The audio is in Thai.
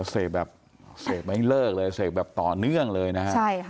เสพแบบเสพไม่เลิกเลยเสพแบบต่อเนื่องเลยนะฮะ